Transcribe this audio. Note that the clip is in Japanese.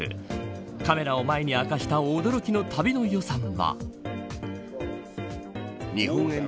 カメラを前に明かした驚きの旅の予算は。